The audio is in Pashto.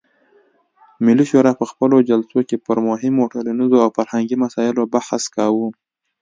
ملي شورا په خپلو جلسو کې پر مهمو ټولنیزو او فرهنګي مسایلو بحث کاوه.